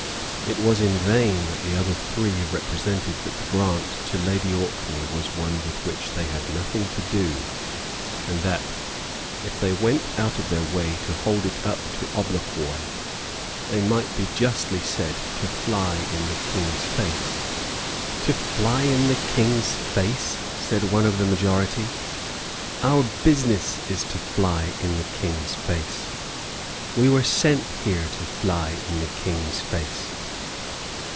It was in vain that the other three represented that the grant to Lady Orkney was one with which they had nothing to do, and that, if they went out of their way to hold it up to obloquy, they might be justly said to fly in the King's face. "To fly in the King's face!" said one of the majority; "our business is to fly in the King's face. We were sent here to fly in the King's face."